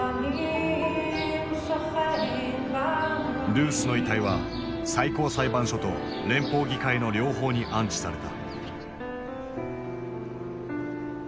ルースの遺体は最高裁判所と連邦議会の両方に安置された。